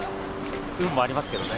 運もありますけどね。